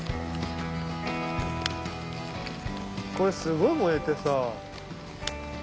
れすごい燃えてさ。